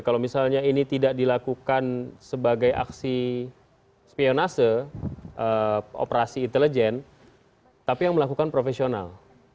kalau misalnya ini tidak dilakukan sebagai aksi spionase operasi intelijen tapi yang melakukan profesional